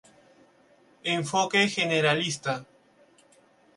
Enfoque generalista.